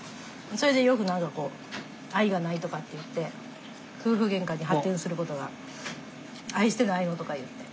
それでよく愛がないとかって言って夫婦げんかに発展する事が「愛してないの？」とか言って。